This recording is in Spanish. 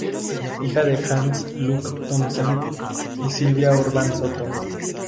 Hija de Hans Luck Thomsen y Silvia Urban Soto.